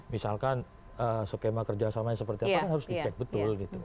misalkan skema kerja sama seperti apa kan harus dicek betul